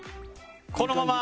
このまま。